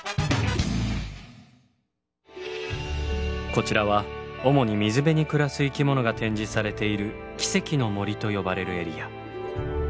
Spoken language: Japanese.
こちらは主に水辺に暮らす生き物が展示されている「奇跡の森」と呼ばれるエリア。